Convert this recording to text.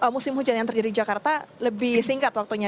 musim hujan yang terjadi di jakarta lebih singkat waktunya